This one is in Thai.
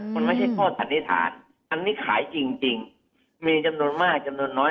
มันไม่ใช่ข้อสันนิษฐานอันนี้ขายจริงมีจำนวนมากจำนวนน้อย